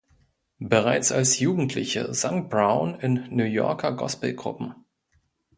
Bereits als Jugendliche sang Brown in New Yorker Gospel-Gruppen.